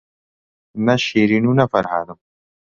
نە شیرین و نە فەرهادم